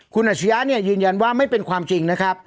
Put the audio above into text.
คุณอาชญาเนี่ยยืนยันว่าไม่เป็นความจริงนะครับ